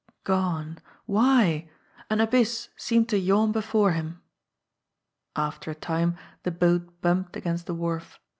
.. Gone! Why? An abyss seemed to yawn before him. After a time the boat bumped against the wharf.